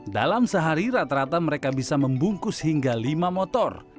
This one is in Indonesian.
dalam sehari rata rata mereka bisa membungkus hingga lima motor